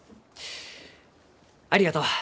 ありがとう。